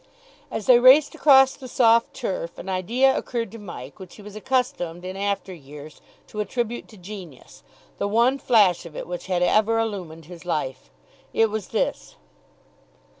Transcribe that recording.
As they raced across the soft turf, an idea occurred to Mike which he was accustomed in after years to attribute to genius, the one flash of it which had ever illumined his life. It was this.